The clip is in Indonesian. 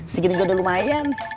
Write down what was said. sekigigil udah lumayan